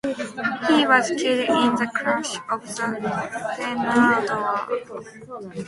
He was killed in the crash of the "Shenandoah".